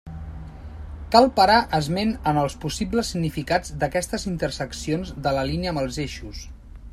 Cal parar esment en els possibles significats d'aquestes interseccions de la línia amb els eixos.